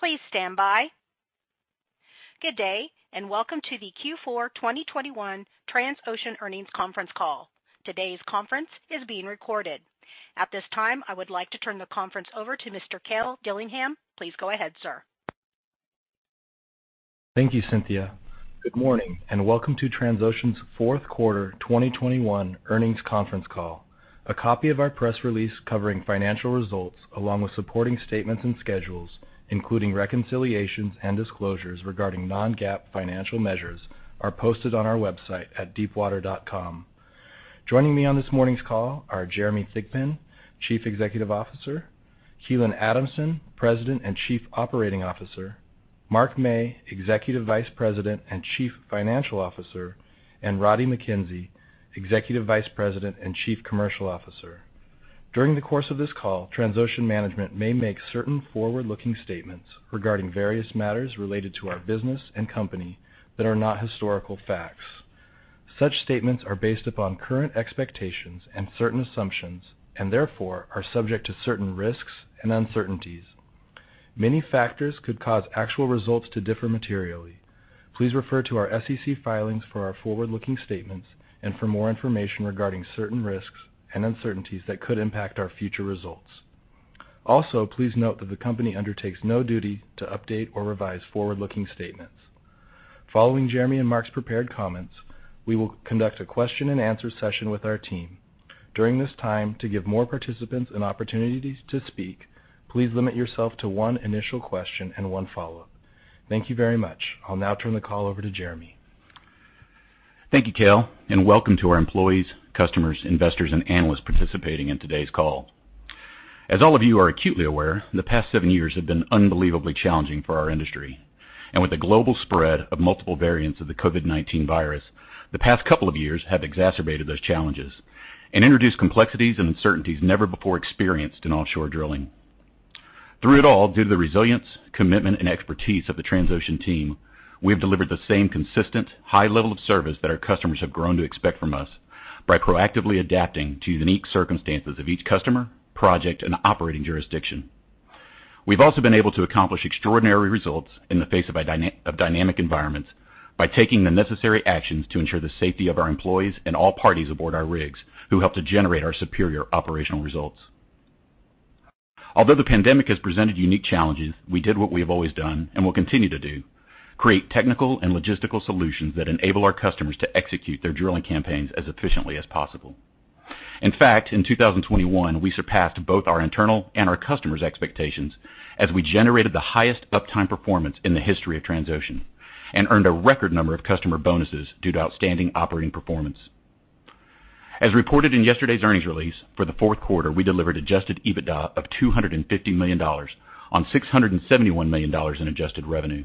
Please stanby. Good day, and welcome to the Q4 2021 Transocean Earnings Conference Call. Today's conference is being recorded. At this time, I would like to turn the conference over to Mr. Cale Dillingham. Please go ahead, sir. Thank you, Cynthia. Good morning, and welcome to Transocean's Q4 2021 Earnings Conference Call. A copy of our press release covering financial results, along with supporting statements and schedules, including reconciliations and disclosures regarding non-GAAP financial measures, are posted on our website at deepwater.com. Joining me on this morning's call are Jeremy Thigpen, Chief Executive Officer, Keelan Adamson, President and Chief Operating Officer, Mark Mey, Executive Vice President and Chief Financial Officer, and Roddie Mackenzie, Executive Vice President and Chief Commercial Officer. During the course of this call, Transocean management may make certain forward-looking statements regarding various matters related to our business and company that are not historical facts. Such statements are based upon current expectations and certain assumptions, and therefore are subject to certain risks and uncertainties. Many factors could cause actual results to differ materially. Please refer to our SEC filings for our forward-looking statements and for more information regarding certain risks and uncertainties that could impact our future results. Also, please note that the company undertakes no duty to update or revise forward-looking statements. Following Jeremy and Mark's prepared comments, we will conduct a question-and-answer session with our team. During this time, to give more participants an opportunity to speak, please limit yourself to one initial question and one follow-up. Thank you very much. I'll now turn the call over to Jeremy. Thank you, Cale, and welcome to our employees, customers, investors and analysts participating in today's call. As all of you are acutely aware, the past seven years have been unbelievably challenging for our industry. With the global spread of multiple variants of the COVID-19 virus, the past couple of years have exacerbated those challenges and introduced complexities and uncertainties never before experienced in offshore drilling. Through it all, due to the resilience, commitment and expertise of the Transocean team, we have delivered the same consistent high level of service that our customers have grown to expect from us by proactively adapting to the unique circumstances of each customer, project and operating jurisdiction. We've also been able to accomplish extraordinary results in the face of dynamic environments by taking the necessary actions to ensure the safety of our employees and all parties aboard our rigs who help to generate our superior operational results. Although the pandemic has presented unique challenges, we did what we have always done and will continue to do, create technical and logistical solutions that enable our customers to execute their drilling campaigns as efficiently as possible. In fact, in 2021, we surpassed both our internal and our customers' expectations as we generated the highest uptime performance in the history of Transocean and earned a record number of customer bonuses due to outstanding operating performance. As reported in yesterday's earnings release, for the fourth quarter, we delivered adjusted EBITDA of $250 million on $671 million in adjusted revenue.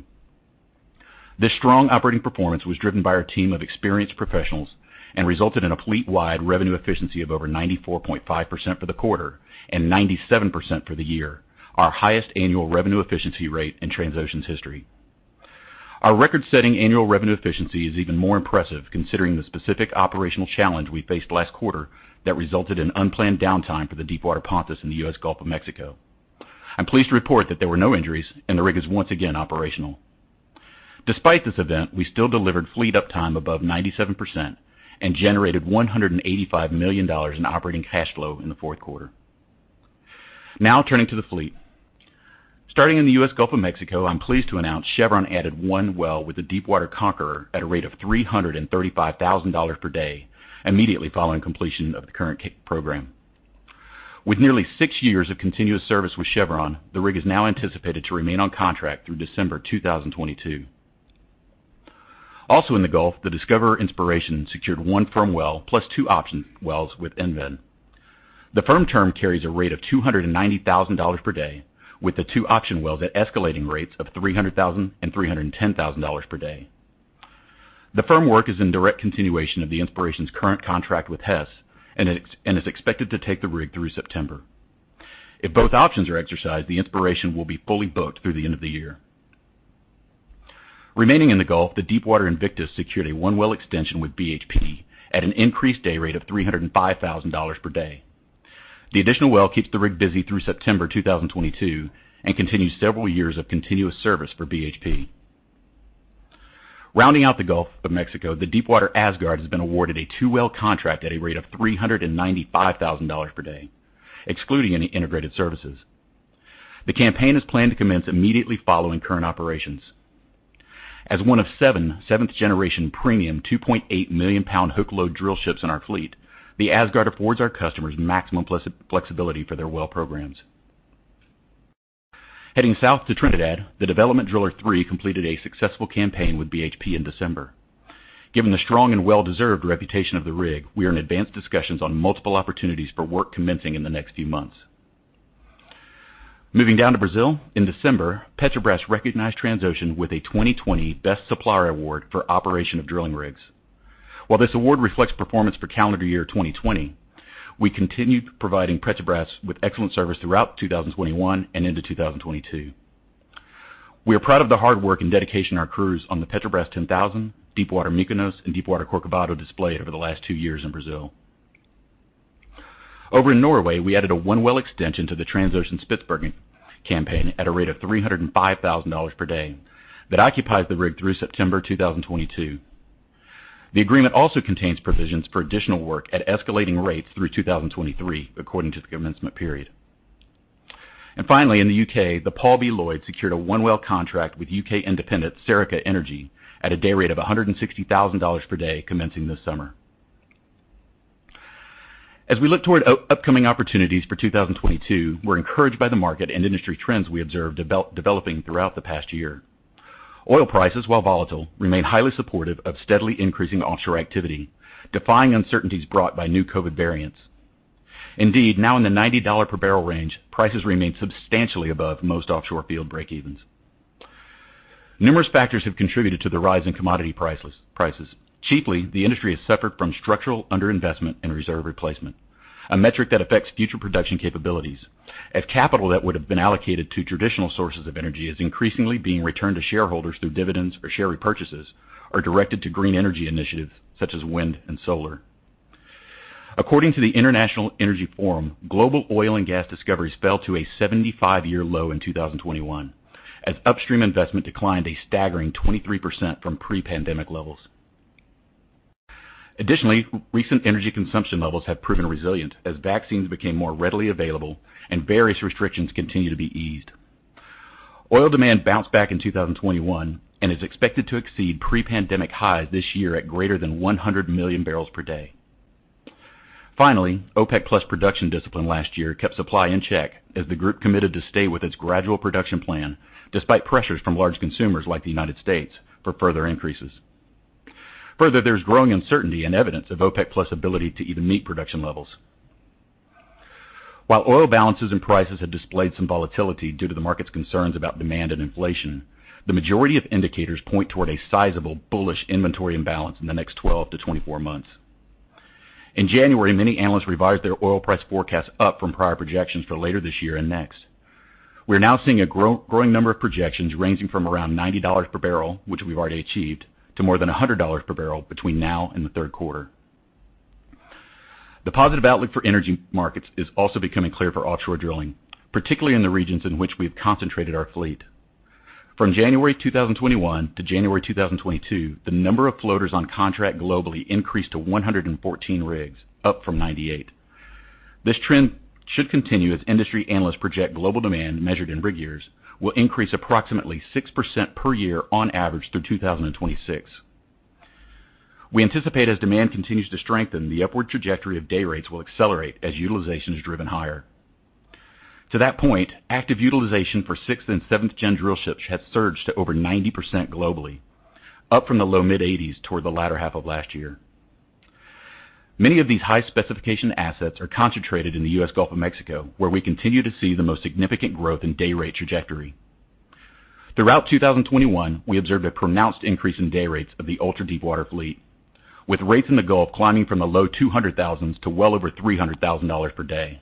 This strong operating performance was driven by our team of experienced professionals and resulted in a fleet-wide revenue efficiency of over 94.5% for the quarter and 97% for the year, our highest annual revenue efficiency rate in Transocean's history. Our record-setting annual revenue efficiency is even more impressive considering the specific operational challenge we faced last quarter that resulted in unplanned downtime for the Deepwater Pontus in the U.S. Gulf of Mexico. I'm pleased to report that there were no injuries and the rig is once again operational. Despite this event, we still delivered fleet uptime above 97% and generated $185 million in operating cash flow in the fourth quarter. Now turning to the fleet. Starting in the U.S. Gulf of Mexico, I'm pleased to announce Chevron added one well with the Deepwater Conqueror at a rate of $335,000 per day immediately following completion of the current program. With nearly six years of continuous service with Chevron, the rig is now anticipated to remain on contract through December 2022. Also in the Gulf, the Discoverer Inspiration secured one firm well plus two option wells with Inven. The firm term carries a rate of $290,000 per day, with the two option wells at escalating rates of $300,000 and $310,000 per day. The firm work is in direct continuation of the Discoverer Inspiration's current contract with Hess and is expected to take the rig through September. If both options are exercised, the Inspiration will be fully booked through the end of the year. Remaining in the Gulf, the Deepwater Invictus secured a one-well extension with BHP at an increased day rate of $305,000 per day. The additional well keeps the rig busy through September 2022 and continues several years of continuous service for BHP. Rounding out the Gulf of Mexico, the Deepwater Asgard has been awarded a two-well contract at a rate of $395,000 per day, excluding any integrated services. The campaign is planned to commence immediately following current operations. As one of seven seventh-generation premium 2.8 million pound hook load drillships in our fleet, the Asgard affords our customers maximum flexibility for their well programs. Heading south to Trinidad, the Development Driller III completed a successful campaign with BHP in December. Given the strong and well-deserved reputation of the rig, we are in advanced discussions on multiple opportunities for work commencing in the next few months. Moving down to Brazil, in December, Petrobras recognized Transocean with a 2020 Best Supplier Award for operation of drilling rigs. While this award reflects performance for calendar year 2020, we continued providing Petrobras with excellent service throughout 2021 and into 2022. We are proud of the hard work and dedication our crews on the Petrobras 10000, Deepwater Mykonos, and Deepwater Corcovado displayed over the last two years in Brazil. Over in Norway, we added a one-well extension to the Transocean Spitsbergen campaign at a rate of $305,000 per day that occupies the rig through September 2022. The agreement also contains provisions for additional work at escalating rates through 2023, according to the commencement period. Finally, in the U.K., the Paul B. Loyd, Jr. Secured a one-well contract with U.K. independent Serica Energy at a day rate of $160,000 per day commencing this summer. As we look toward upcoming opportunities for 2022, we're encouraged by the market and industry trends we observed developing throughout the past year. Oil prices, while volatile, remain highly supportive of steadily increasing offshore activity, defying uncertainties brought by new COVID variants. Indeed, now in the $90 per barrel range, prices remain substantially above most offshore field breakevens. Numerous factors have contributed to the rise in commodity prices. Chiefly, the industry has suffered from structural underinvestment and reserve replacement, a metric that affects future production capabilities as capital that would have been allocated to traditional sources of energy is increasingly being returned to shareholders through dividends or share repurchases, or directed to green energy initiatives such as wind and solar. According to the International Energy Forum, global oil and gas discoveries fell to a 75-year low in 2021 as upstream investment declined a staggering 23% from pre-pandemic levels. Additionally, recent energy consumption levels have proven resilient as vaccines became more readily available and various restrictions continue to be eased. Oil demand bounced back in 2021 and is expected to exceed pre-pandemic highs this year at greater than 100 million barrels per day. Finally, OPEC+ production discipline last year kept supply in check as the group committed to stay with its gradual production plan despite pressures from large consumers like the United States for further increases. Further, there's growing uncertainty and evidence of OPEC+ ability to even meet production levels. While oil balances and prices have displayed some volatility due to the market's concerns about demand and inflation, the majority of indicators point toward a sizable bullish inventory imbalance in the next 12-24 months. In January, many analysts revised their oil price forecasts up from prior projections for later this year and next. We're now seeing a growing number of projections ranging from around $90 per barrel, which we've already achieved, to more than $100 per barrel between now and the third quarter. The positive outlook for energy markets is also becoming clear for offshore drilling, particularly in the regions in which we've concentrated our fleet. From January 2021 to January 2022, the number of floaters on contract globally increased to 114 rigs, up from 98. This trend should continue as industry analysts project global demand, measured in rig years, will increase approximately 6% per year on average through 2026. We anticipate as demand continues to strengthen, the upward trajectory of day rates will accelerate as utilization is driven higher. To that point, active utilization for sixth and seventh gen drillships has surged to over 90% globally, up from the low mid-80s toward the latter half of last year. Many of these high-specification assets are concentrated in the U.S. Gulf of Mexico, where we continue to see the most significant growth in day rate trajectory. Throughout 2021, we observed a pronounced increase in day rates of the ultra-deepwater fleet, with rates in the Gulf climbing from the low $200,000s to well over $300,000 per day.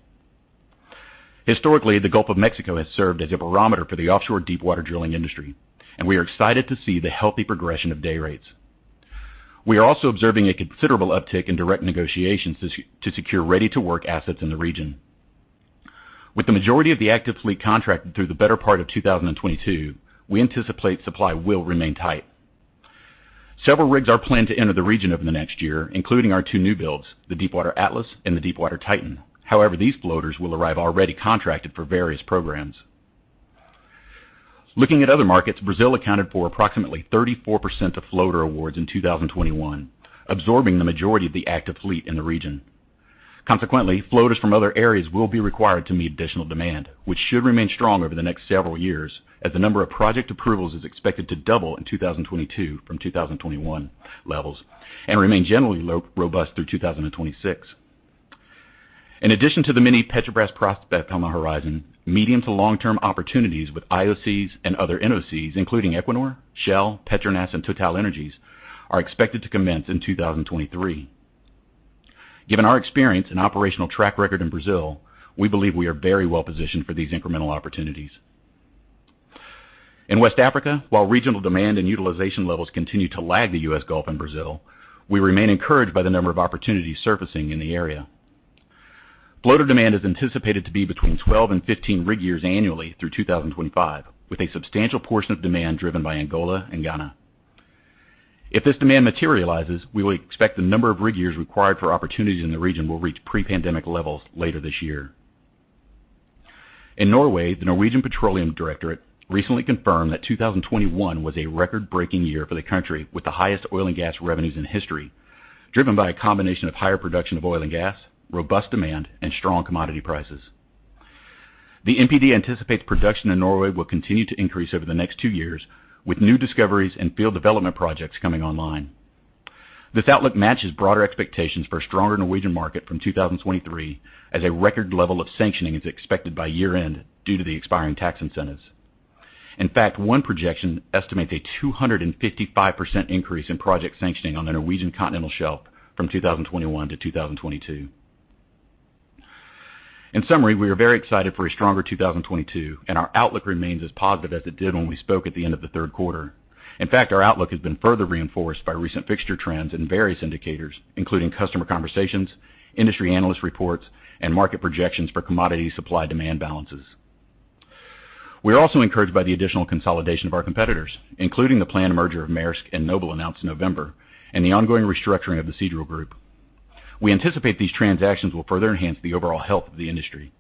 Historically, the Gulf of Mexico has served as a barometer for the offshore deepwater drilling industry, and we are excited to see the healthy progression of day rates. We are also observing a considerable uptick in direct negotiations to secure ready-to-work assets in the region. With the majority of the active fleet contracted through the better part of 2022, we anticipate supply will remain tight. Several rigs are planned to enter the region over the next year, including our two new builds, the Deepwater Atlas and the Deepwater Titan. However, these floaters will arrive already contracted for various programs. Looking at other markets, Brazil accounted for approximately 34% of floater awards in 2021, absorbing the majority of the active fleet in the region. Consequently, floaters from other areas will be required to meet additional demand, which should remain strong over the next several years as the number of project approvals is expected to double in 2022 from 2021 levels and remain generally low to robust through 2026. In addition to the many Petrobras prospects on the horizon, medium- to long-term opportunities with IOCs and other NOCs, including Equinor, Shell, PETRONAS, and TotalEnergies, are expected to commence in 2023. Given our experience and operational track record in Brazil, we believe we are very well positioned for these incremental opportunities. In West Africa, while regional demand and utilization levels continue to lag the U.S. Gulf and Brazil, we remain encouraged by the number of opportunities surfacing in the area. Floater demand is anticipated to be between 12 and 15 rig years annually through 2025, with a substantial portion of demand driven by Angola and Ghana. If this demand materializes, we will expect the number of rig years required for opportunities in the region will reach pre-pandemic levels later this year. In Norway, the Norwegian Petroleum Directorate recently confirmed that 2021 was a record-breaking year for the country with the highest oil and gas revenues in history, driven by a combination of higher production of oil and gas, robust demand, and strong commodity prices. The NPD anticipates production in Norway will continue to increase over the next two years, with new discoveries and field development projects coming online. This outlook matches broader expectations for a stronger Norwegian market from 2023 as a record level of sanctioning is expected by year-end due to the expiring tax incentives. In fact, one projection estimates a 255% increase in project sanctioning on the Norwegian continental shelf from 2021 to 2022. In summary, we are very excited for a stronger 2022, and our outlook remains as positive as it did when we spoke at the end of the third quarter. In fact, our outlook has been further reinforced by recent fixture trends and various indicators, including customer conversations, industry analyst reports, and market projections for commodity supply-demand balances. We are also encouraged by the additional consolidation of our competitors, including the planned merger of Maersk and Noble announced in November and the ongoing restructuring of the Seadrill Group. We anticipate these transactions will further enhance the overall health of the industry.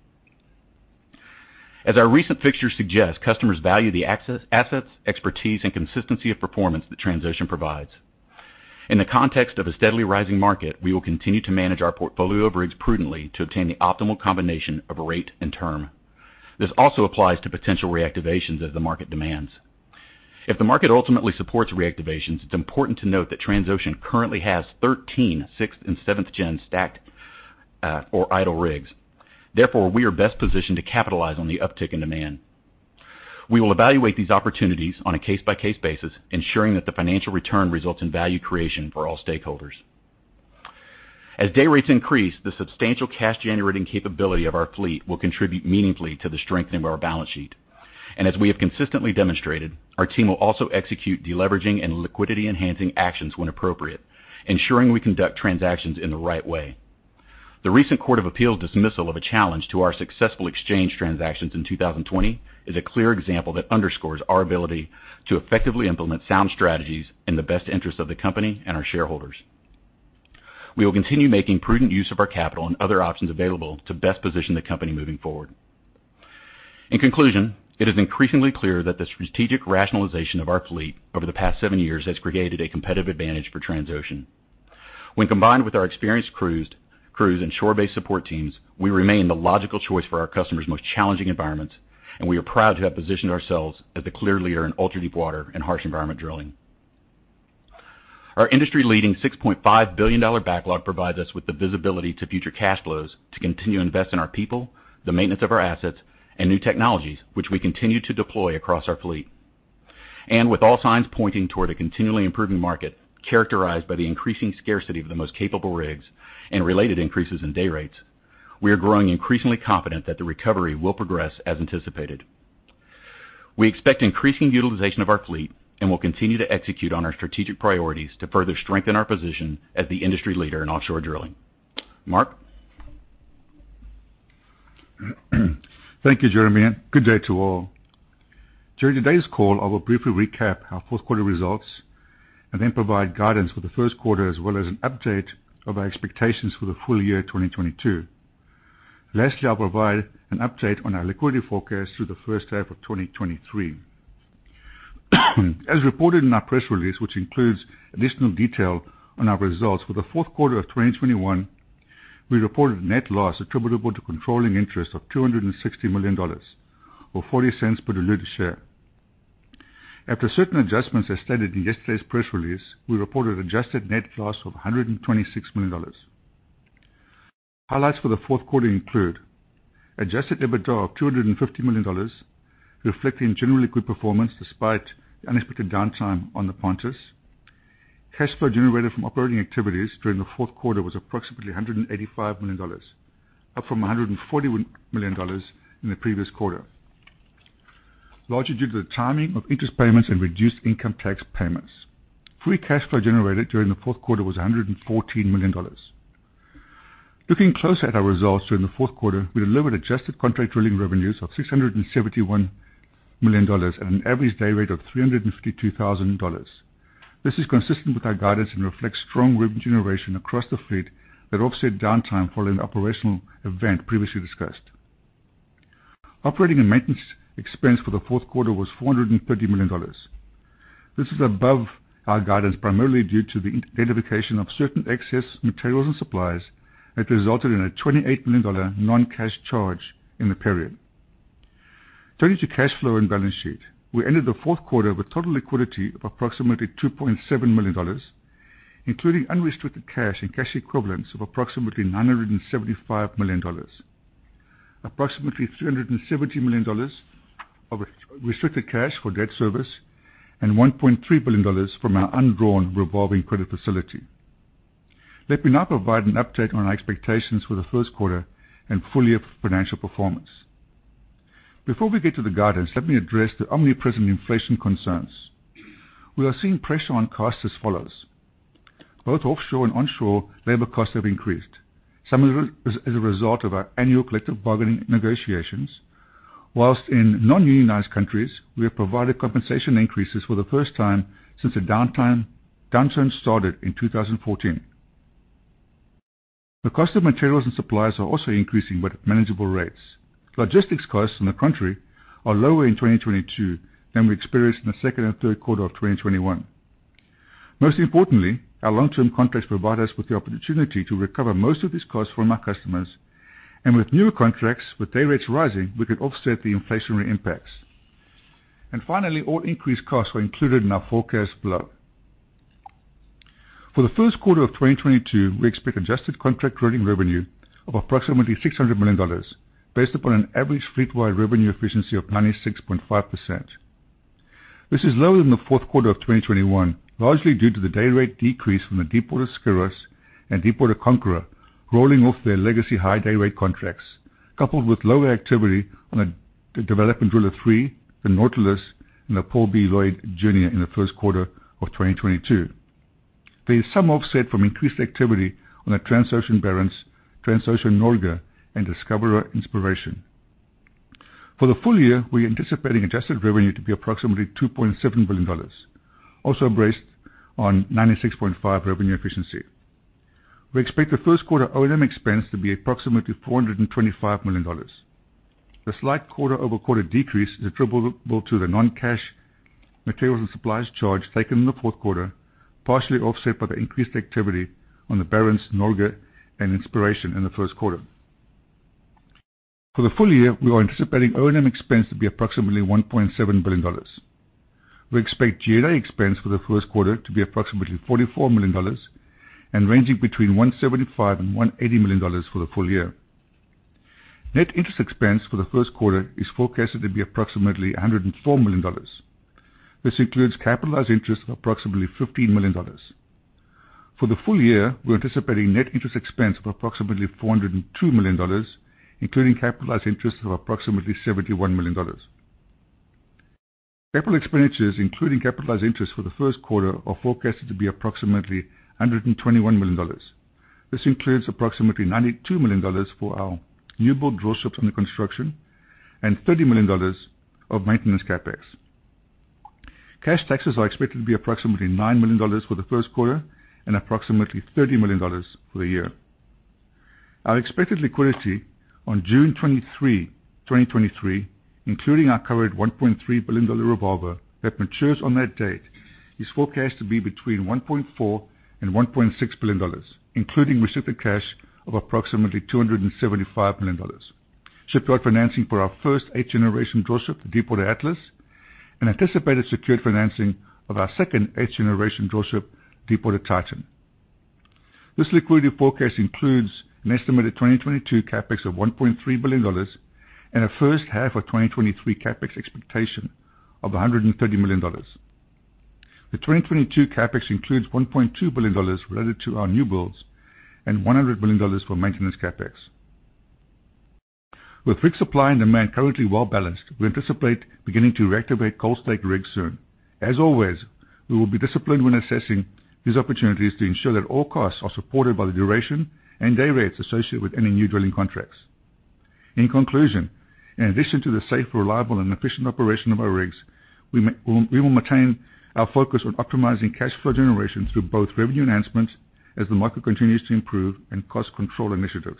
As our recent fixtures suggest, customers value the access to assets, expertise, and consistency of performance Transocean provides. In the context of a steadily rising market, we will continue to manage our portfolio of rigs prudently to obtain the optimal combination of rate and term. This also applies to potential reactivations as the market demands. If the market ultimately supports reactivations, it's important to note that Transocean currently has 13 sixth and seventh-gen stacked, or idle rigs. Therefore, we are best positioned to capitalize on the uptick in demand. We will evaluate these opportunities on a case-by-case basis, ensuring that the financial return results in value creation for all stakeholders. As day rates increase, the substantial cash-generating capability of our fleet will contribute meaningfully to the strengthening of our balance sheet. As we have consistently demonstrated, our team will also execute de-leveraging and liquidity-enhancing actions when appropriate, ensuring we conduct transactions in the right way. The recent Court of Appeals dismissal of a challenge to our successful exchange transactions in 2020 is a clear example that underscores our ability to effectively implement sound strategies in the best interest of the company and our shareholders. We will continue making prudent use of our capital and other options available to best position the company moving forward. In conclusion, it is increasingly clear that the strategic rationalization of our fleet over the past seven years has created a competitive advantage for Transocean. When combined with our experienced crews and shore-based support teams, we remain the logical choice for our customers' most challenging environments, and we are proud to have positioned ourselves as a clear leader in ultra-deepwater and harsh environment drilling. Our industry-leading $6.5 billion backlog provides us with the visibility to future cash flows to continue to invest in our people, the maintenance of our assets, and new technologies, which we continue to deploy across our fleet. With all signs pointing toward a continually improving market characterized by the increasing scarcity of the most capable rigs and related increases in day rates, we are growing increasingly confident that the recovery will progress as anticipated. We expect increasing utilization of our fleet and will continue to execute on our strategic priorities to further strengthen our position as the industry leader in offshore drilling. Mark? Thank you, Jeremy, and good day to all. During today's call, I will briefly recap our fourth quarter results and then provide guidance for the first quarter as well as an update of our expectations for the full year 2022. Lastly, I'll provide an update on our liquidity forecast through the first half of 2023. As reported in our press release, which includes additional detail on our results for the fourth quarter of 2021, we reported net loss attributable to controlling interest of $260 million or $0.40 per diluted share. After certain adjustments, as stated in yesterday's press release, we reported adjusted net loss of $126 million. Highlights for the fourth quarter include adjusted EBITDA of $250 million, reflecting generally good performance despite the unexpected downtime on the Pontus. Cash flow generated from operating activities during the fourth quarter was approximately $185 million, up from $141 million in the previous quarter, largely due to the timing of interest payments and reduced income tax payments. Free cash flow generated during the fourth quarter was $114 million. Looking closer at our results during the fourth quarter, we delivered adjusted contract drilling revenues of $671 million at an average day rate of $352,000. This is consistent with our guidance and reflects strong revenue generation across the fleet that offset downtime following the operational event previously discussed. Operating and maintenance expense for the fourth quarter was $430 million. This is above our guidance, primarily due to the identification of certain excess materials and supplies that resulted in a $28 million non-cash charge in the period. Turning to cash flow and balance sheet, we ended the fourth quarter with total liquidity of approximately $2.7 million, including unrestricted cash and cash equivalents of approximately $975 million, approximately $370 million of restricted cash for debt service, and $1.3 billion from our undrawn revolving credit facility. Let me now provide an update on our expectations for the first quarter and full-year financial performance. Before we get to the guidance, let me address the omnipresent inflation concerns. We are seeing pressure on costs as follows. Both offshore and onshore labor costs have increased, some of it as a result of our annual collective bargaining negotiations, while in non-unionized countries, we have provided compensation increases for the first time since the downturn started in 2014. The cost of materials and supplies are also increasing but at manageable rates. Logistics costs, on the contrary, are lower in 2022 than we experienced in the second and third quarter of 2021. Most importantly, our long-term contracts provide us with the opportunity to recover most of these costs from our customers. With newer contracts, with dayrates rising, we could offset the inflationary impacts. Finally, all increased costs were included in our forecast below. For the first quarter of 2022, we expect adjusted contract drilling revenue of approximately $600 million, based upon an average fleet-wide revenue efficiency of 96.5%. This is lower than the fourth quarter of 2021, largely due to the day rate decrease from the Deepwater Skyros and Deepwater Conqueror rolling off their legacy high day rate contracts, coupled with lower activity on a Development Driller III, the Nautilus and the Paul B. Loyd, Jr. in the first quarter of 2022. There is some offset from increased activity on a Transocean Barents, Transocean Norge, and Discoverer Inspiration. For the full year, we are anticipating adjusted revenue to be approximately $2.7 billion, also based on 96.5% revenue efficiency. We expect the first quarter O&M expense to be approximately $425 million. The slight quarter-over-quarter decrease is attributable to the non-cash materials and supplies charge taken in the fourth quarter, partially offset by the increased activity on the Barents, Norge, and Inspiration in the first quarter. For the full year, we are anticipating O&M expense to be approximately $1.7 billion. We expect G&A expense for the first quarter to be approximately $44 million and ranging between $175 million-$180 million for the full year. Net interest expense for the first quarter is forecasted to be approximately $104 million. This includes capitalized interest of approximately $15 million. For the full year, we're anticipating net interest expense of approximately $402 million, including capitalized interest of approximately $71 million. Capital expenditures, including capitalized interest for the first quarter, are forecasted to be approximately $121 million. This includes approximately $92 million for our newbuild drillships under construction and $30 million of maintenance CapEx. Cash taxes are expected to be approximately $9 million for the first quarter and approximately $30 million for the year. Our expected liquidity on June 23, 2023, including our current $1.3 billion revolver that matures on that date, is forecast to be between $1.4 billion and $1.6 billion, including restricted cash of approximately $275 million. Shipyard financing for our first eighth generation drillship, Deepwater Atlas, and anticipated secured financing of our second eighth generation drillship, Deepwater Titan. This liquidity forecast includes an estimated 2022 CapEx of $1.3 billion and a first half of 2023 CapEx expectation of $130 million. The 2022 CapEx includes $1.2 billion related to our new builds and $100 million for maintenance CapEx. With rig supply and demand currently well-balanced, we anticipate beginning to reactivate cold stack rigs soon. As always, we will be disciplined when assessing these opportunities to ensure that all costs are supported by the duration and day rates associated with any new drilling contracts. In conclusion, in addition to the safe, reliable, and efficient operation of our rigs, we will maintain our focus on optimizing cash flow generation through both revenue enhancements as the market continues to improve and cost control initiatives.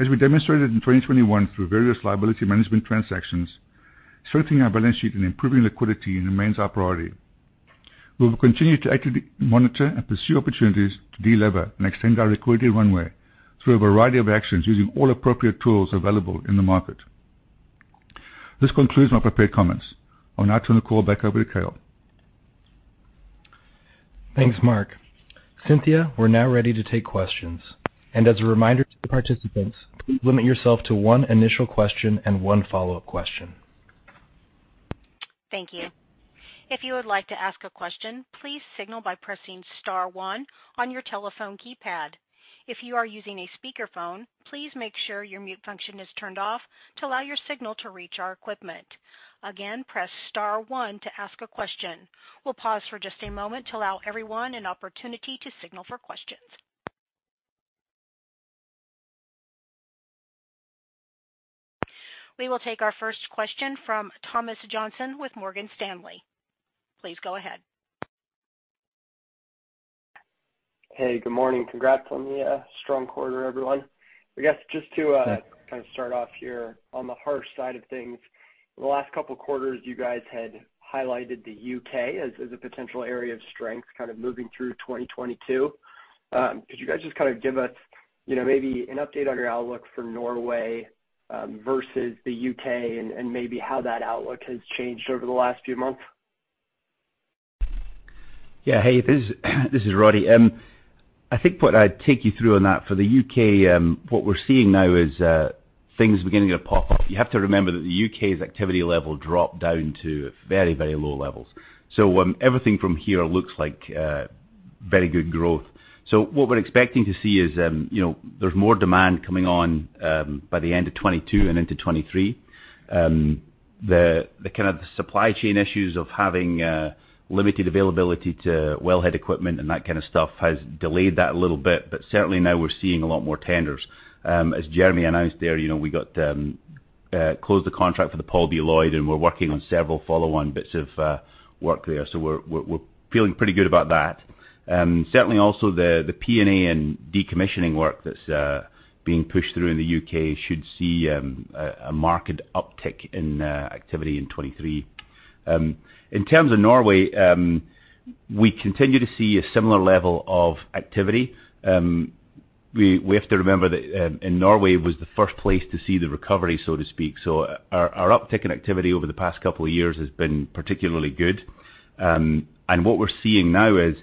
As we demonstrated in 2021 through various liability management transactions, strengthening our balance sheet and improving liquidity remains our priority. We will continue to actively monitor and pursue opportunities to delever and extend our liquidity runway through a variety of actions using all appropriate tools available in the market. This concludes my prepared comments. I'll now turn the call back over to Cale Dillingham. Thanks, Mark. Cynthia, we're now ready to take questions. As a reminder to the participants, please limit yourself to one initial question and one follow-up question. Thank you. If you would like to ask a question, please signal by pressing star one on your telephone keypad. If you are using a speakerphone, please make sure your mute function is turned off to allow your signal to reach our equipment. Again, press star one to ask a question. We'll pause for just a moment to allow everyone an opportunity to signal for questions. We will take our first question from Thomas Johnson with Morgan Stanley. Please go ahead. Hey, good morning. Congrats on the strong quarter, everyone. I guess, just to kind of start off here on the harsh side of things, the last couple quarters, you guys had highlighted the U.K. as a potential area of strength kind of moving through 2022. Could you guys just kind of give us, you know, maybe an update on your outlook for Norway versus the U.K. and maybe how that outlook has changed over the last few months? Yeah. Hey, this is Roddie. I think what I'd take you through on that for the U.K., what we're seeing now is things beginning to pop up. You have to remember that the U.K.'s activity level dropped down to very, very low levels. Everything from here looks like very good growth. What we're expecting to see is, you know, there's more demand coming on by the end of 2022 and into 2023. The kind of supply chain issues of having limited availability to wellhead equipment and that kind of stuff has delayed that a little bit. Certainly now we're seeing a lot more tenders. As Jeremy announced there, you know, we closed the contract for the Paul B. Loyd, Jr., and we're working on several follow-on bits of work there. We're feeling pretty good about that. Certainly also the P&A and decommissioning work that's being pushed through in the U.K. should see a market uptick in activity in 2023. In terms of Norway, we continue to see a similar level of activity. We have to remember that Norway was the first place to see the recovery, so to speak. Our uptick in activity over the past couple of years has been particularly good. What we're seeing now is.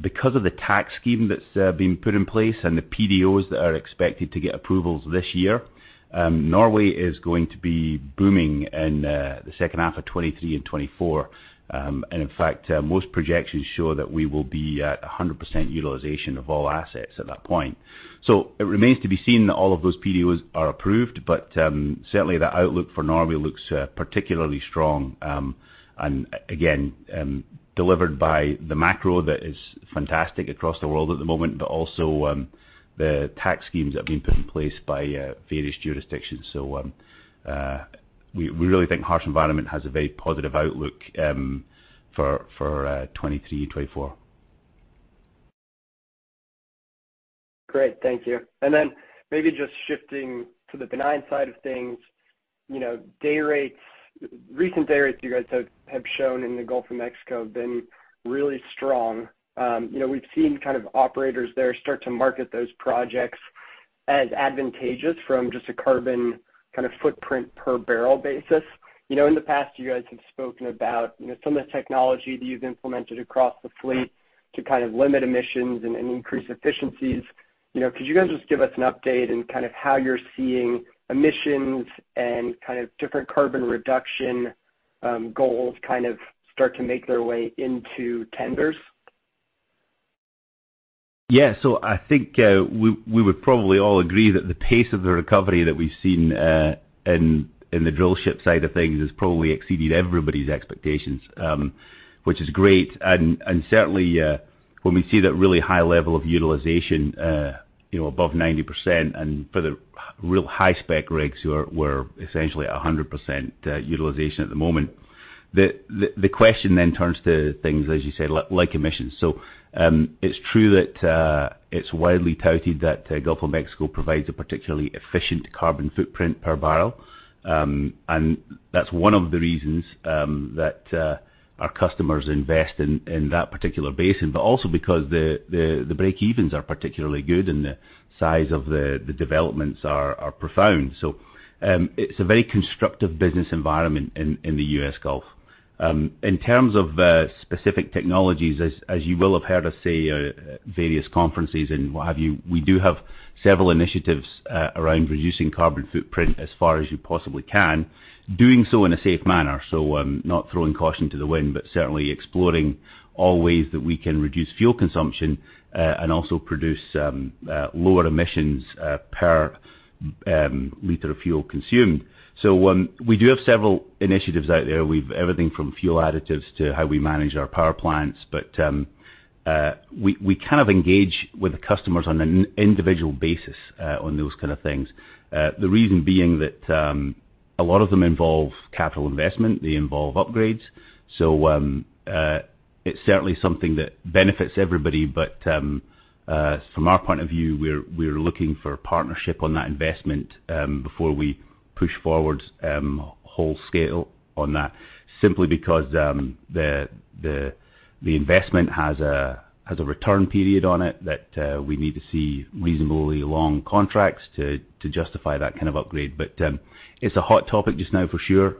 Because of the tax scheme that's been put in place and the PDOs that are expected to get approvals this year, Norway is going to be booming in the second half of 2023 and 2024. In fact, most projections show that we will be at 100% utilization of all assets at that point. It remains to be seen that all of those PDOs are approved, but certainly, the outlook for Norway looks particularly strong, and again, delivered by the macro that is fantastic across the world at the moment, but also, the tax schemes that have been put in place by various jurisdictions. We really think harsh environment has a very positive outlook for 2023, 2024. Great. Thank you. Then maybe just shifting to the benign side of things. You know, day rates, recent day rates you guys have shown in the Gulf of Mexico have been really strong. You know, we've seen kind of operators there start to market those projects as advantageous from just a carbon kind of footprint per barrel basis. You know, in the past, you guys have spoken about, you know, some of the technology that you've implemented across the fleet to kind of limit emissions and increase efficiencies. You know, could you guys just give us an update in kind of how you're seeing emissions and kind of different carbon reduction goals kind of start to make their way into tenders? Yeah. I think we would probably all agree that the pace of the recovery that we've seen in the drillship side of things has probably exceeded everybody's expectations, which is great. Certainly, when we see that really high level of utilization, you know, above 90%, and for the ultra-high-spec rigs who were essentially 100% utilization at the moment, the question then turns to things, as you said, like emissions. It's true that it's widely touted that Gulf of Mexico provides a particularly efficient carbon footprint per barrel. That's one of the reasons that our customers invest in that particular basin, but also because the breakevens are particularly good, and the size of the developments are profound. It's a very constructive business environment in the U.S. Gulf. In terms of specific technologies, as you will have heard us say at various conferences and what have you, we do have several initiatives around reducing carbon footprint as far as you possibly can, doing so in a safe manner. Not throwing caution to the wind, but certainly exploring all ways that we can reduce fuel consumption and also produce lower emissions per liter of fuel consumed. We do have several initiatives out there. We've everything from fuel additives to how we manage our power plants, but we kind of engage with the customers on an individual basis on those kind of things. The reason being that a lot of them involve capital investment. They involve upgrades, so it's certainly something that benefits everybody. From our point of view, we're looking for partnership on that investment before we push forward full scale on that. Simply because the investment has a return period on it that we need to see reasonably long contracts to justify that kind of upgrade. It's a hot topic just now for sure.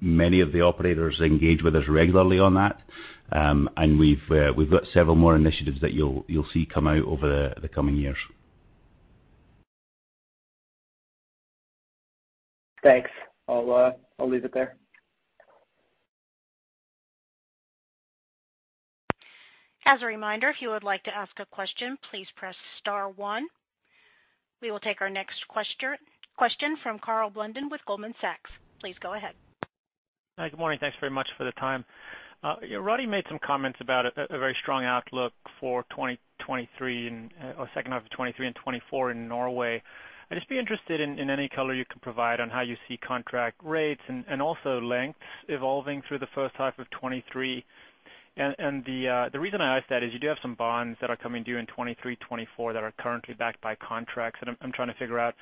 Many of the operators engage with us regularly on that. We've got several more initiatives that you'll see come out over the coming years. Thanks. I'll leave it there. As a reminder, if you would like to ask a question, please press star one. We will take our next question from Karl Blunden with Goldman Sachs. Please go ahead. Hi. Good morning. Thanks very much for the time. Roddie made some comments about a very strong outlook for 2023 and or second half of 2023 and 2024 in Norway. I'd just be interested in any color you can provide on how you see contract rates and also lengths evolving through the first half of 2023. The reason I ask that is you do have some bonds that are coming due in 2023, 2024 that are currently backed by contracts. I'm trying to figure out,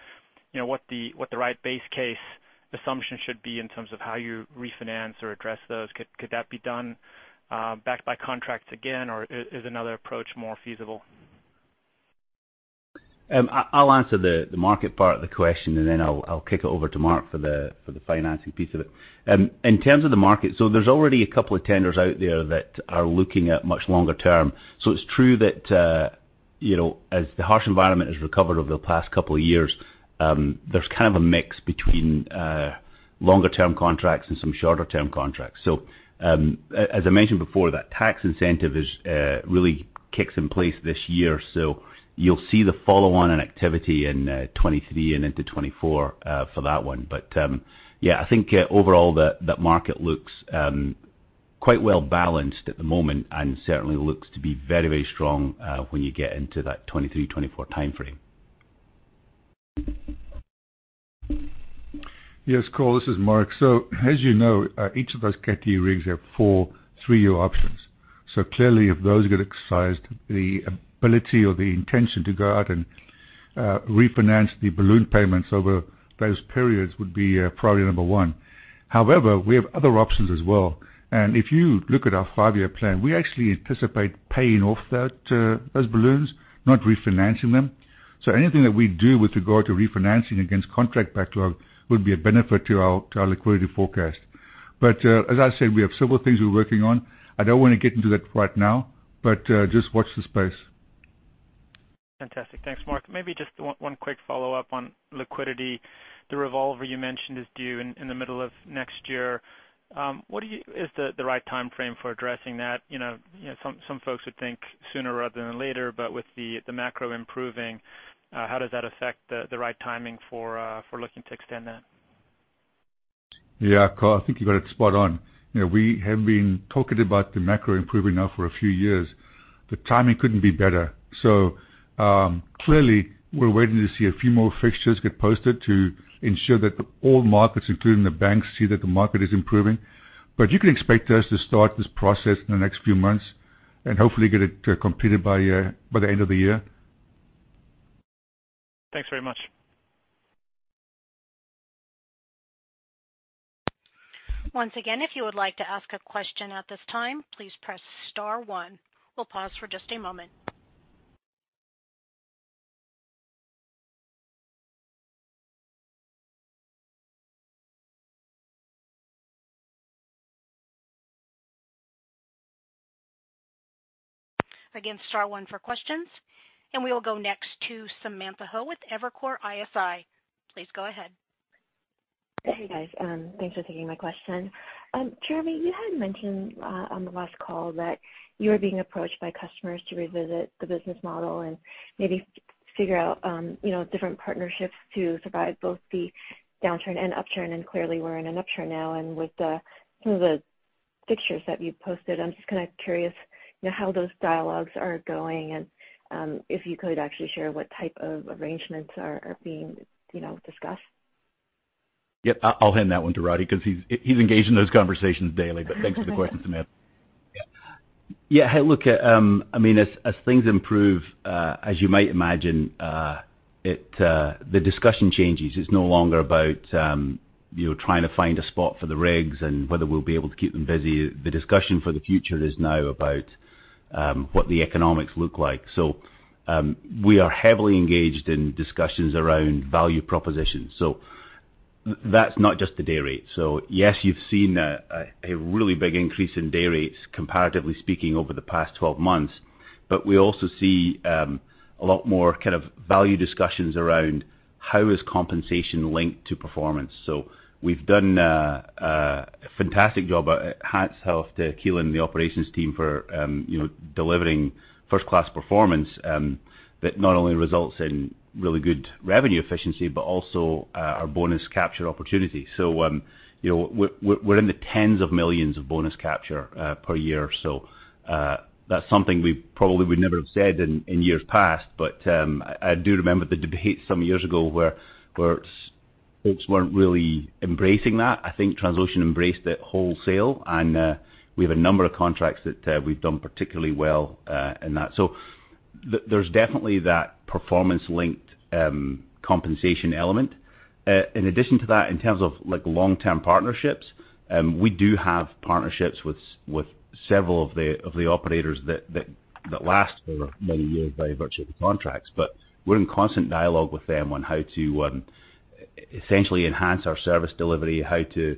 you know, what the right base case assumption should be in terms of how you refinance or address those. Could that be done backed by contracts again, or is another approach more feasible? I'll answer the market part of the question, and then I'll kick it over to Mark for the financing piece of it. In terms of the market, there's already a couple of tenders out there that are looking at much longer term. It's true that you know, as the harsh environment has recovered over the past couple of years, there's kind of a mix between longer term contracts and some shorter term contracts. As I mentioned before, that tax incentive is really kicks in place this year. You'll see the follow-on and activity in 2023 and into 2024 for that one. Yeah, I think overall that market looks quite well-balanced at the moment and certainly looks to be very, very strong when you get into that 2023/2024 time frame. Yes, Karl, this is Mark. As you know, each of those Cat D rigs have four three-year options. Clearly, if those get exercised, the ability or the intention to go out and refinance the balloon payments over those periods would be priority number one. However, we have other options as well, and if you look at our five-year plan, we actually anticipate paying off those balloons, not refinancing them. Anything that we do with regard to refinancing against contract backlog would be a benefit to our liquidity forecast. As I said, we have several things we're working on. I don't wanna get into that right now, but just watch the space. Fantastic. Thanks, Mark. Maybe just one quick follow-up on liquidity. The revolver you mentioned is due in the middle of next year. Is the right timeframe for addressing that, you know, some folks would think sooner rather than later, but with the macro improving, how does that affect the right timing for looking to extend that? Yeah. Karl, I think you got it spot on. You know, we have been talking about the macro improving now for a few years. The timing couldn't be better. Clearly, we're waiting to see a few more fixtures get posted to ensure that all markets, including the banks, see that the market is improving. But you can expect us to start this process in the next few months and hopefully get it completed by the end of the year. Thanks very much. Once again, if you would like to ask a question at this time, please press star one. We'll pause for just a moment. Again, star one for questions, and we will go next to Samantha Hoh with Evercore ISI. Please go ahead. Hey, guys. Thanks for taking my question. Jeremy, you had mentioned on the last call that you were being approached by customers to revisit the business model and maybe figure out, you know, different partnerships to survive both the downturn and upturn, and clearly, we're in an upturn now. With some of the fixtures that you posted, I'm just kinda curious, you know, how those dialogues are going and if you could actually share what type of arrangements are being, you know, discussed. Yep. I'll hand that one to Roddie because he's engaged in those conversations daily. Thanks for the question, Samantha. Yeah. Hey, look, I mean, as things improve, as you might imagine, the discussion changes. It's no longer about, you know, trying to find a spot for the rigs and whether we'll be able to keep them busy. The discussion for the future is now about what the economics look like. We are heavily engaged in discussions around value propositions. That's not just the day rate. Yes, you've seen a really big increase in day rates, comparatively speaking, over the past 12 months. We also see a lot more kind of value discussions around how is compensation linked to performance. We've done a fantastic job, hats off to Keelan and the operations team for you know delivering first-class performance that not only results in really good revenue efficiency, but also our bonus capture opportunity. You know, we're in the tens of millions of bonus capture per year. That's something we probably would never have said in years past, but I do remember the debate some years ago where folks weren't really embracing that. I think Transocean embraced it wholesale, and we have a number of contracts that we've done particularly well in that. There's definitely that performance-linked compensation element. In addition to that, in terms of, like, long-term partnerships, we do have partnerships with several of the operators that last for many years by virtue of the contracts. But we're in constant dialogue with them on how to essentially enhance our service delivery, how to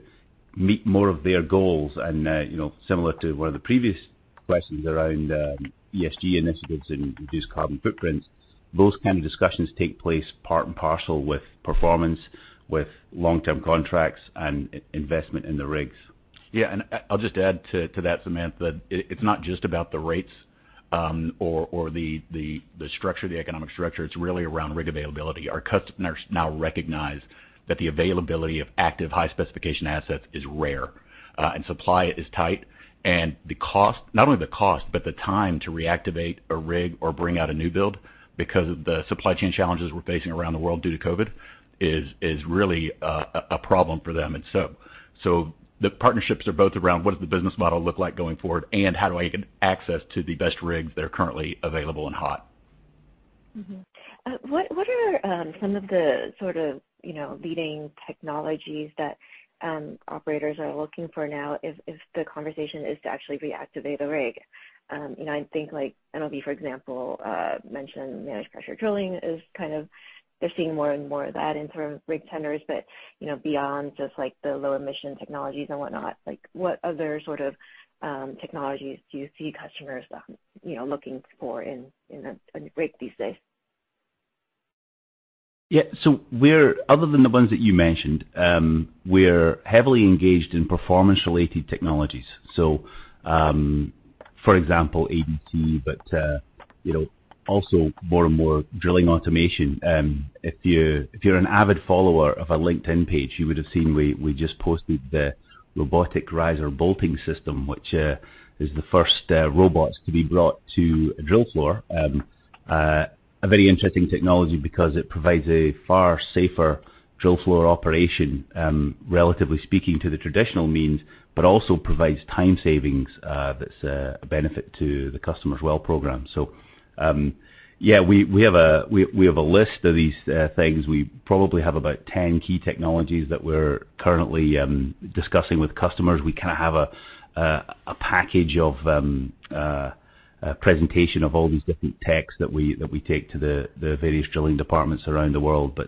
meet more of their goals. You know, similar to one of the previous questions around ESG initiatives and reduced carbon footprints, those kind of discussions take place part and parcel with performance, with long-term contracts and investment in the rigs. Yeah. I'll just add to that, Samantha. It's not just about the rates, or the structure, the economic structure. It's really around rig availability. Our customers now recognize that the availability of active high specification assets is rare, and supply is tight. The cost, not only the cost, but the time to reactivate a rig or bring out a new build because of the supply chain challenges we're facing around the world due to COVID is really a problem for them. The partnerships are both around what does the business model look like going forward, and how do I get access to the best rigs that are currently available and hot? What are some of the sort of, you know, leading technologies that operators are looking for now if the conversation is to actually reactivate the rig? You know, I think like Noble, for example, mentioned managed pressure drilling is kind of they're seeing more and more of that in sort of rig tenders. You know, beyond just like the low emission technologies and whatnot, like what other sort of technologies do you see customers you know looking for in a rig these days? Yeah. Other than the ones that you mentioned, we're heavily engaged in performance-related technologies. For example, ADC, but you know, also more and more drilling automation. If you're an avid follower of our LinkedIn page, you would have seen we just posted the robotic riser bolting system, which is the first robots to be brought to a drill floor. A very interesting technology because it provides a far safer drill floor operation, relatively speaking, to the traditional means, but also provides time savings, that's a benefit to the customer's well program. We have a list of these things. We probably have about 10 key technologies that we're currently discussing with customers. We kinda have a package of a presentation of all these different techs that we take to the various drilling departments around the world.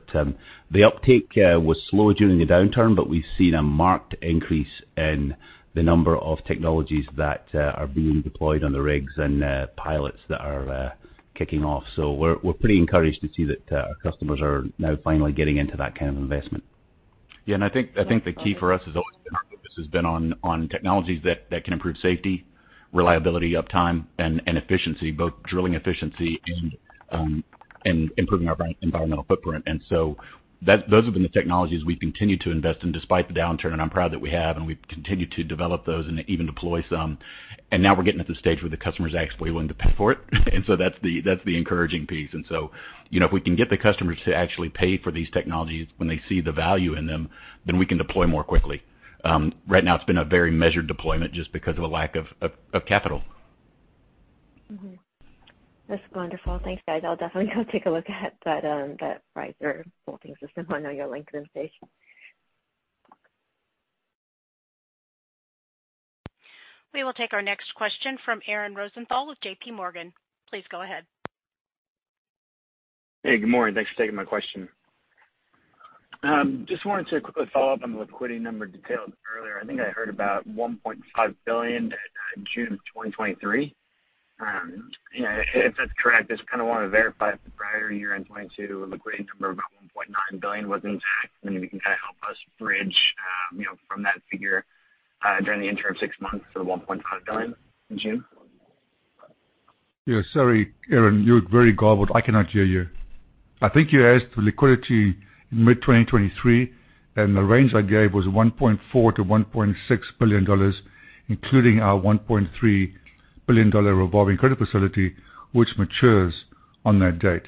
The uptake was slow during the downturn, but we've seen a marked increase in the number of technologies that are being deployed on the rigs and pilots that are kicking off. We're pretty encouraged to see that our customers are now finally getting into that kind of investment. Yeah. I think the key for us has always been our focus on technologies that can improve safety, reliability, uptime, and efficiency, both drilling efficiency and improving our environmental footprint. Those have been the technologies we continue to invest in despite the downturn. I'm proud that we've continued to develop those and even deploy some. Now we're getting to the stage where the customer is actually willing to pay for it. That's the encouraging piece. You know, if we can get the customers to actually pay for these technologies when they see the value in them, then we can deploy more quickly. Right now it's been a very measured deployment just because of a lack of capital. Mm-hmm. That's wonderful. Thanks, guys. I'll definitely go take a look at that riser bolting system on your LinkedIn page. We will take our next question from Aaron Rosenthal with JPMorgan. Please go ahead. Hey, good morning. Thanks for taking my question. Just wanted to quickly follow up on the liquidity number detailed earlier. I think I heard about $1.5 billion at June 2023. If that's correct, just kinda wanna verify it for the prior year in 2022, a liquidity number of about $1.9 billion was intact. Then if you can help us bridge from that figure during the interim six months to the $1.5 billion in June. Yeah. Sorry, Aaron. You're very garbled. I cannot hear you. I think you asked the liquidity in mid-2023, and the range I gave was $1.4 billion-$1.6 billion, including our $1.3 billion revolving credit facility which matures on that date.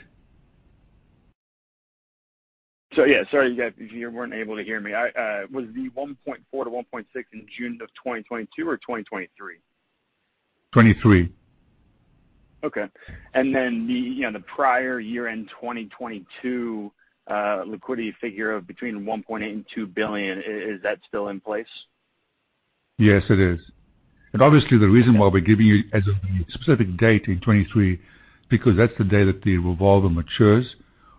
Yeah, sorry you guys, if you weren't able to hear me. I was 1.4-1.6 in June of 2022 or 2023? 2023. Okay. You know, the prior year-end 2022 liquidity figure of between $1.8 billion and $2 billion, is that still in place? Yes, it is. Obviously, the reason why we're giving you a specific date in 2023, because that's the day that the revolver matures.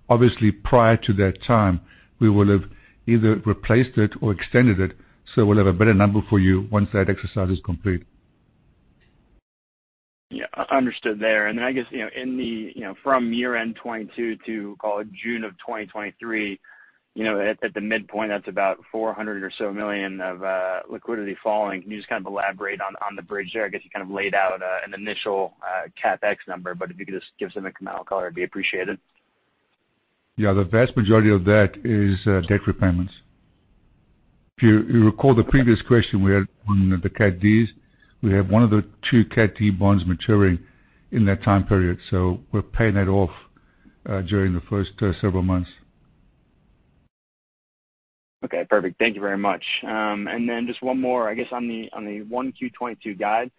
Obviously, prior to that time, we will have either replaced it or extended it, so we'll have a better number for you once that exercise is complete. Yeah. Understood there. I guess, you know, in the, you know, from year-end 2022 to, call it June of 2023, you know, at the midpoint, that's about $400 million or so of liquidity falling. Can you just kind of elaborate on the bridge there? I guess you kind of laid out an initial CapEx number, but if you could just give some incremental color, it'd be appreciated. Yeah. The vast majority of that is debt repayments. If you recall the previous question we had on the Cat Ds, we have one of the two Cat D bonds maturing in that time period, so we're paying that off during the first several months. Okay, perfect. Thank you very much. Just one more, I guess, on the Q1 2022 guide.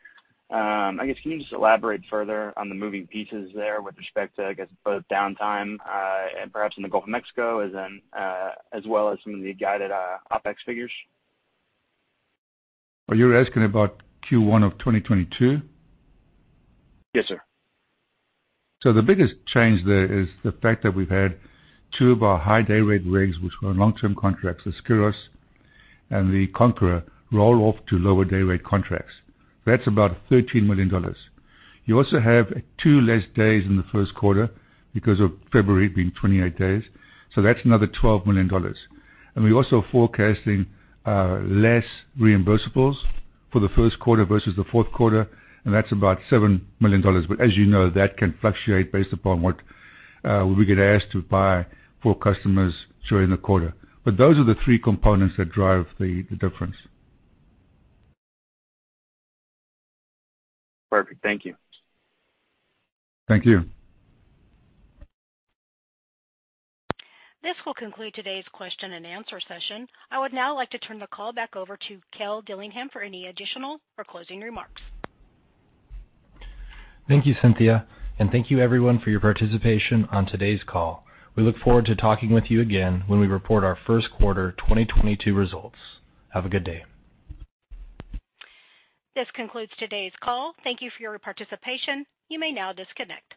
I guess can you just elaborate further on the moving pieces there with respect to, I guess, both downtime, perhaps in the Gulf of Mexico as well as some of the guided OpEx figures? Are you asking about Q1 of 2022? Yes, sir. The biggest change there is the fact that we've had two of our high day rate rigs which were on long-term contracts, the Skyros and the Conqueror, roll off to lower day rate contracts. That's about $13 million. You also have two less days in the first quarter because of February being 28 days. That's another $12 million. We're also forecasting less reimbursables for the first quarter versus the fourth quarter, and that's about $7 million. As you know, that can fluctuate based upon what we get asked to buy for customers during the quarter. Those are the three components that drive the difference. Perfect. Thank you. Thank you. This will conclude today's question and answer session. I would now like to turn the call back over to Cale Dillingham for any additional or closing remarks. Thank you, Cynthia. Thank you everyone for your participation on today's call. We look forward to talking with you again when we report our first quarter 2022 results. Have a good day. This concludes today's call. Thank you for your participation. You may now disconnect.